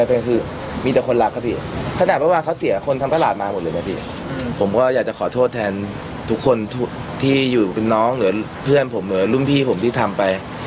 ผมก็อยากจะขอโทษแทนทุกคนที่อยู่เป็นน้องหรือเพื่อนผมหรือลุ่มพี่ผมที่ทำไป